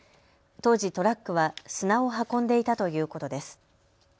当時トラックは砂を運んでいたということです。